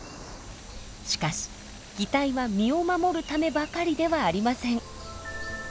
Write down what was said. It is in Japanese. しかし擬態は身を守るためばかりではありません。